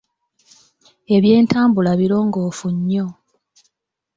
Ebyentambula birongoofu nnyo.